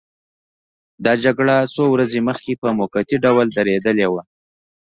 دا جګړه څو ورځې مخکې په موقتي ډول درېدلې وه.